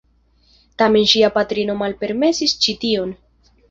Tamen ŝia patrino malpermesis ĉi-tion.